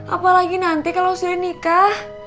apalagi nanti kalau saya nikah